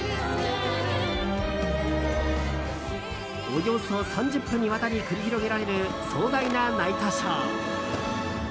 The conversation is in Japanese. およそ３０分にわたり繰り広げられる壮大なナイトショー。